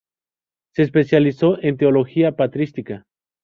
Se especializó en teología patrística.